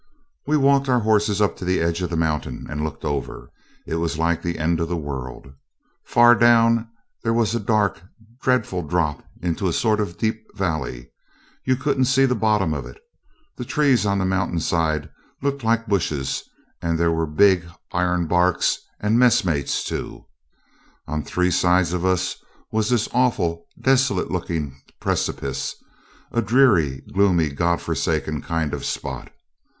We walked our horses up to the edge of the mountain and looked over. It was like the end of the world. Far down there was a dark, dreadful drop into a sort of deep valley below. You couldn't see the bottom of it. The trees on the mountain side looked like bushes, and they were big ironbarks and messmates too. On three sides of us was this awful, desolate looking precipice a dreary, gloomy, God forsaken kind of spot.